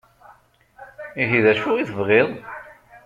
Ihi d acu i tebɣiḍ?